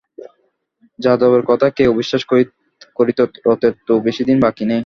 যাদবের কথা কে অবিশ্বাস করিত রথের তো বেশিদিন বাকি নেই।